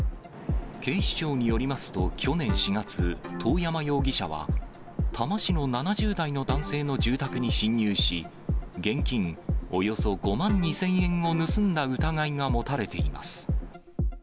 警視庁によりますと、去年４月、遠山容疑者は、多摩市の７０代の男性の住宅に侵入し、現金およそ５万円２０００円を盗んだ疑いが持たれています。